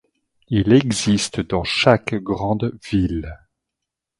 Il existe dans chaque grande ville.